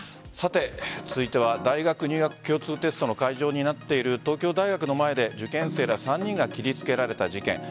続いては大学入学共通テストの会場になっている東京大学の前で受験生ら３人が切りつけられた事件。